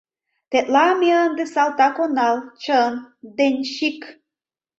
Тетла ме ынде салтак онал, чын, денщик?